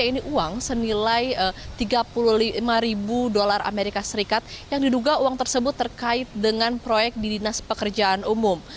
ini uang senilai tiga puluh lima ribu dolar amerika serikat yang diduga uang tersebut terkait dengan proyek di dinas pekerjaan umum